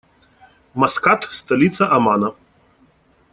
Маскат - столица Омана.